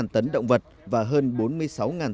một trăm sáu mươi tấn động vật và hơn